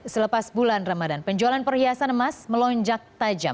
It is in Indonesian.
selepas bulan ramadan penjualan perhiasan emas melonjak tajam